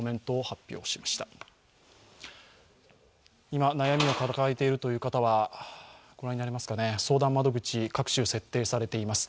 今、悩みを抱えているという方は相談窓口各種設定されています。